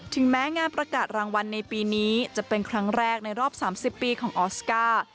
แม้งานประกาศรางวัลในปีนี้จะเป็นครั้งแรกในรอบ๓๐ปีของออสการ์